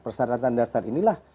persyaratan dasar inilah